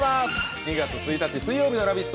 ２月１日水曜日の「ラヴィット！」。